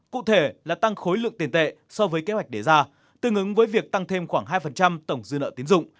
cụ thể là tăng khối lượng tiền tệ so với kế hoạch đề ra tương ứng với việc tăng thêm khoảng hai tổng dư nợ tiến dụng